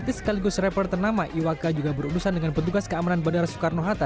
artis sekaligus rapper ternama iwaka juga berurusan dengan petugas keamanan bandara soekarno hatta